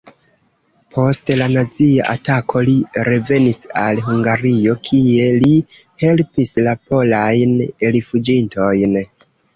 Post la nazia atako li revenis al Hungario, kie li helpis la polajn rifuĝintojn.